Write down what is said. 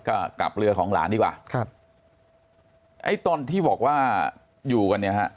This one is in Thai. ก็กลับเรือของหลานดีกว่าครับไอ้ตอนที่บอกว่าอยู่กันเนี่ยฮะ